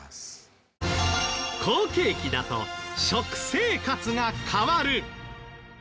好景気だと食生活が変わる。